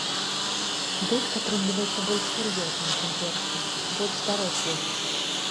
Дыск атрымліваецца больш сур'ёзным, чым першы, больш дарослы.